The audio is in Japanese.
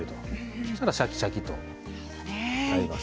そうするとシャキシャキとなります。